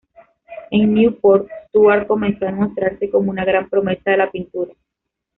En Newport, Stuart comenzó a mostrarse como una gran promesa de la pintura.